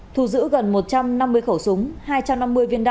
thu giữ gần một trăm năm mươi khẩu súng hai trăm năm mươi viên đạn